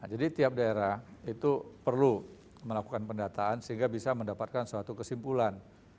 tiap daerah itu perlu melakukan pendataan sehingga bisa mendapatkan suatu kesimpulan